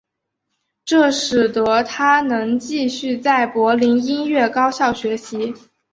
这使得他能继续在柏林音乐高校学习。